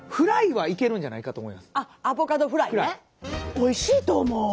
おいしいと思う。